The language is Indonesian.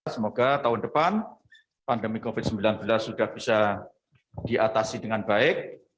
semoga tahun depan pandemi covid sembilan belas sudah bisa diatasi dengan baik